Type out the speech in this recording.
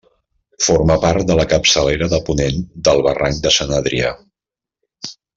Forma part de la capçalera de ponent del barranc de Sant Adrià.